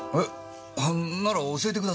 なら教えてくださいよ。